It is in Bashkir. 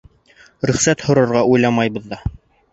Рөхсәт һорарға уйламайбыҙ ҙа.